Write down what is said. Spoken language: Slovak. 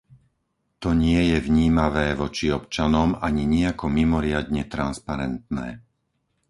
To nie je vnímavé voči občanom ani nijako mimoriadne transparentné.